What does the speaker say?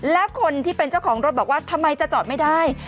แล้วคนที่เป็นเจ้าของรถบอกว่าทำไมจะจอดไม่ได้